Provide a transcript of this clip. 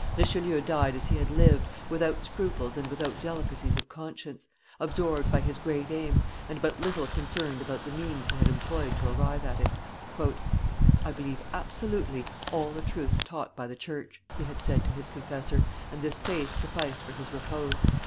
Richelieu died as he had lived, without scruples and without delicacies of conscience, absorbed by his great aim, and but little concerned about the means he had employed to arrive at it. "I believe, absolutely, all the truths taught by the church," he had said to his confessor, and this faith sufficed for his repose.